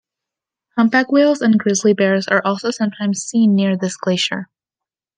Humpback whales and grizzly bears are also sometimes seen near this glacier.